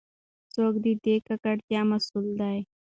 څوک د دې ککړتیا مسؤل دی؟